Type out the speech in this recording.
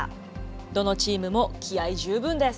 どのチームも気合い十分です。